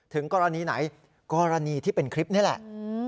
ถึงกรณีไหนกรณีที่เป็นคลิปนี่แหละ